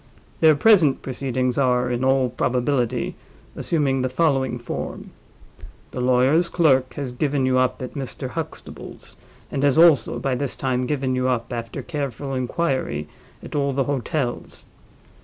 Their present proceedings are, in all probability, assuming the following form: the lawyer's clerk has given you up at Mr. Huxtable's, and has also, by this time, given you up, after careful inquiry, at all the hotels.